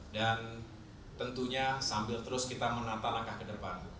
dan tentunya sambil terus kita menata langkah ke depan